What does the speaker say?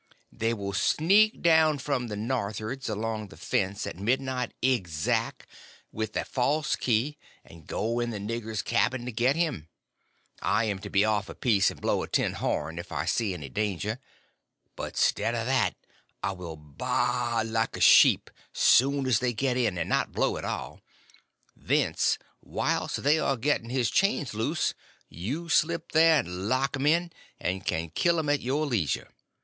They will sneak down from northards, along the fence, at midnight exact, with a false key, and go in the nigger's cabin to get him. I am to be off a piece and blow a tin horn if I see any danger; but stead of that I will BA like a sheep soon as they get in and not blow at all; then whilst they are getting his chains loose, you slip there and lock them in, and can kill them at your leasure.